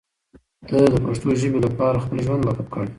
دی د پښتو ژبې لپاره خپل ژوند وقف کړی.